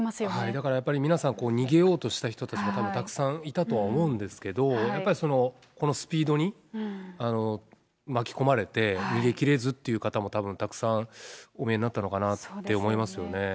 だからやっぱり、皆さん、逃げようとした人たちがたぶんたくさんいたとは思うんですけれども、やっぱりこのスピードに巻き込まれて逃げきれずっていう方も、たぶん、たくさんお見えになったのかなと思いますよね。